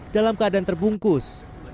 dalam keadaan terbungkus